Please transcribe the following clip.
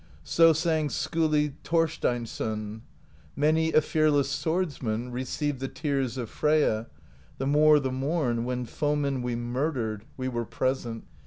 So sang Skiili Thorsteinsson : Many a fearless swordsman Received the Tears of Freyja The more the morn when foemen We murdered; we were present.